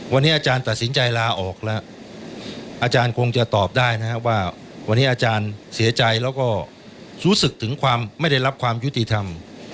วันนี้อาจารย์ตัดสินใจลาออกแล้วอาจารย์คงจะตอบได้นะครับว่าวันนี้อาจารย์เสียใจแล้วก็รู้สึกถึงความไม่ได้รับความยุติธรรม